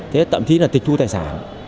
thế tậm chí là tịch thu tài sản